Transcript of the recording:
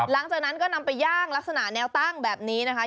หลังจากนั้นก็นำไปย่างลักษณะแนวตั้งแบบนี้นะคะ